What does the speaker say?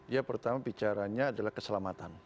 ya pertama bicaranya adalah keselamatan